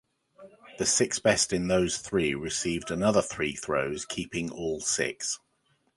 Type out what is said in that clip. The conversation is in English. The six best in those three received another three throws, keeping all six.